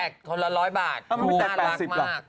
อ๋อก็แจกคนละ๑๐๐บาท